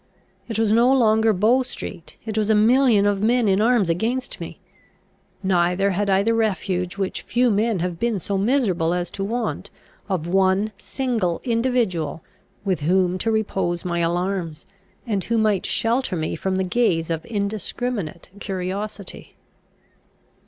It was no longer Bow street, it was a million of men in arms against me. Neither had I the refuge, which few men have been so miserable as to want, of one single individual with whom to repose my alarms, and who might shelter me from the gaze of indiscriminate curiosity.